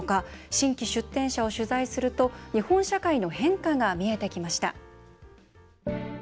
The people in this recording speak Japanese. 新規出店者を取材すると日本社会の変化が見えてきました。